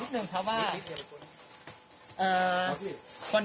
แม่งปล่องนะแม่งปล่องนะ